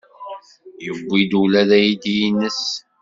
Yewwi-d ula d aydi-nnes.